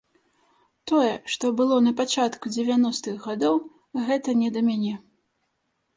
Тое, што было напачатку дзевяностых гадоў, гэта не да мяне.